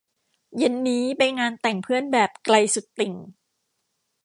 เย็นนี้ไปงานแต่งเพื่อนแบบ ไกลสุดติ่ง